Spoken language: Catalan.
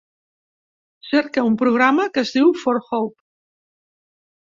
Cerca un programa que es diu "For Hope"